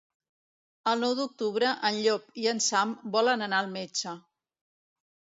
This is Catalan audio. El nou d'octubre en Llop i en Sam volen anar al metge.